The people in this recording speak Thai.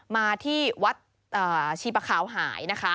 มาที่วัดชีปะขาวหายนะคะ